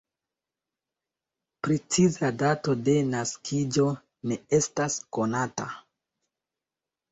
Preciza dato de naskiĝo ne estas konata.